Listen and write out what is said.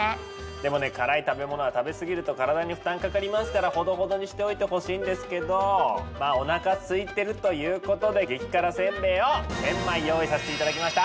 でもね辛い食べ物は食べ過ぎると体に負担かかりますからほどほどにしておいてほしいんですけどまあおなかすいてるということで激辛煎餅を１，０００枚用意させていただきました。